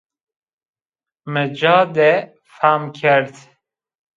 Mi ca de fam kerd